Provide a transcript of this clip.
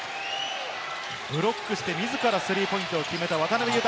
ブロックして自らスリーポイントを決めた渡邊雄太。